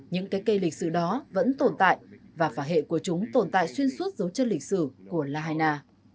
những cái cây lịch sử đó vẫn tồn tại và phả hệ của chúng tồn tại xuyên suốt dấu chân lịch sử của lahaina